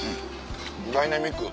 ダイナミック。